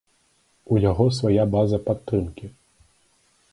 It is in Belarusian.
У яго свая база падтрымкі.